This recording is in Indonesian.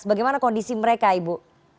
bagaimana kondisi mereka ibu